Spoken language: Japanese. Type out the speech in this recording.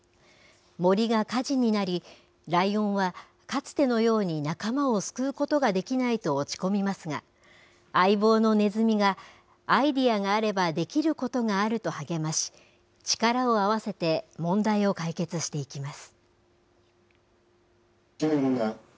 森が火事になり、ライオンはかつてのように仲間を救うことができないと落ち込みますが、相棒のネズミが、アイデアがあればできることがあると励まし、力を合わせて問題を解決していきます。